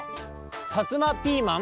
さつまピーマン？